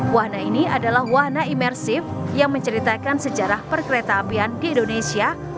wahana ini adalah warna imersif yang menceritakan sejarah perkereta apian di indonesia